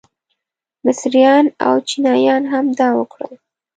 مصریان او چینیان هم دا وکړل.